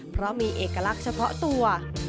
เพราะมีเอกลักษณ์เฉพาะตัว